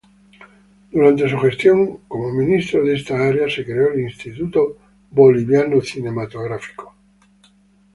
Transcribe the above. Durante su gestión como ministro de esta área se creó el Instituto Boliviano Cinematográfico.